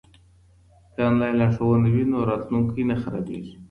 که انلاین لارښوونه وي نو راتلونکی نه خرابیږي.